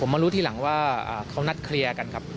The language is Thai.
มารู้ทีหลังว่าเขานัดเคลียร์กันครับ